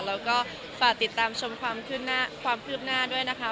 แล้วก็ฝากติดตามชมความคืบหน้าด้วยนะคะ